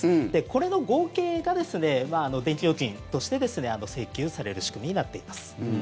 これの合計が電気料金として請求される仕組みになっています。